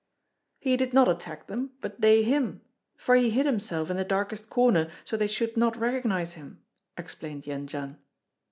"He did not attack them, but they him; for he hid himself in the darkest corner, so they should not recognize him," explained Jendzian.